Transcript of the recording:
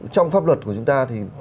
trong pháp luật của chúng ta thì